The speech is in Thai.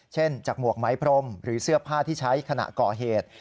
จากหมวกไหมพรมหรือเสื้อผ้าที่ใช้ขณะก่อเหตุ